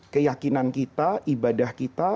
keyakinan kita ibadah kita